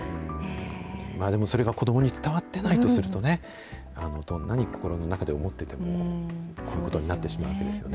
それが子どもに伝わってないとすると、どんなに心の中で思っていても、こういうことになってしまうわけですよね。